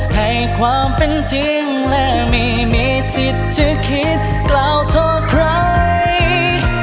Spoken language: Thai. ให้ความเป็นจริงและไม่มีสิทธิ์จะคิดกล่าวโทษใคร